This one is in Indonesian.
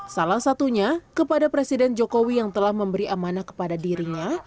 salah satunya kepada presiden jokowi yang telah memberi amanah kepada dirinya